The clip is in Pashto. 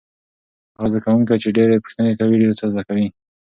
هغه زده کوونکی چې ډېرې پوښتنې کوي ډېر څه زده کوي.